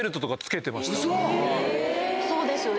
嘘⁉そうですよね。